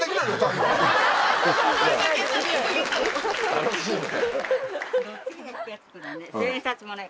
楽しいね。